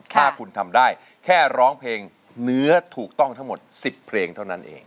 ถ้าคุณทำได้แค่ร้องเพลงเนื้อถูกต้องทั้งหมด๑๐เพลงเท่านั้นเอง